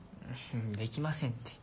できませんて。